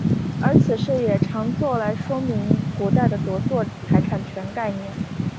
而此事也常作来说明古代的着作财产权概念。